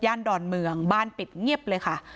ดอนเมืองบ้านปิดเงียบเลยค่ะ